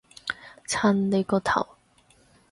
襯你個頭